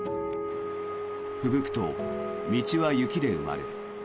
ふぶくと道は雪で埋まる。